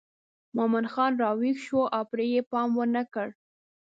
مومن خان راویښ شو او پرې یې پام ونه کړ.